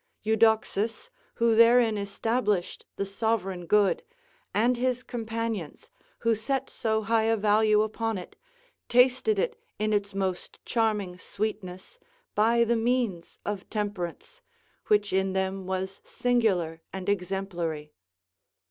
Euxodus, who therein established the sovereign good, and his companions, who set so high a value upon it, tasted it in its most charming sweetness, by the means of temperance, which in them was singular and exemplary.